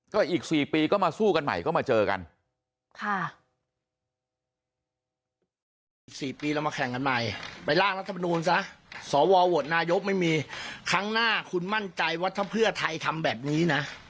ก็อีก๔ปีก็มาสู้กันใหม่ก็มาเจอกันใหม่